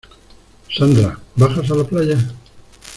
Sandra, ¿bajas a la playa?